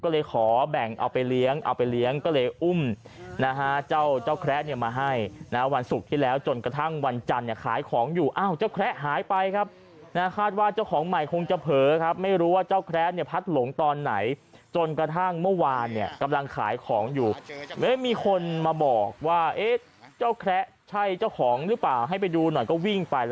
ก็เลยขอแบ่งเอาไปเลี้ยงเอาไปเลี้ยงก็เลยอุ้มนะฮะเจ้าเจ้าแคระเนี่ยมาให้นะวันศุกร์ที่แล้วจนกระทั่งวันจันทร์เนี่ยขายของอยู่อ้าวเจ้าแคระหายไปครับนะฮะคาดว่าเจ้าของใหม่คงจะเผลอครับไม่รู้ว่าเจ้าแคระเนี่ยพัดหลงตอนไหนจนกระทั่งเมื่อวานเนี่ยกำลังขายของอยู่มีคนมาบอกว่าเอ๊ะเจ้าแคระใช่เจ้าของหรือเปล่าให้ไปดูหน่อยก็วิ่งไปแล้ว